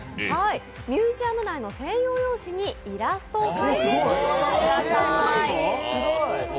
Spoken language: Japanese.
ミュージアム内の専用用紙にイラストを描いてください。